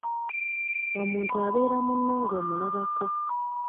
Omuntu abeera munno ng'omulabako.